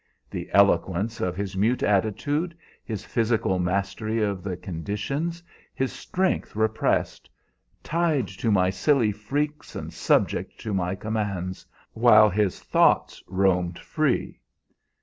The eloquence of his mute attitudes, his physical mastery of the conditions, his strength repressed, tied to my silly freaks and subject to my commands, while his thoughts roamed free!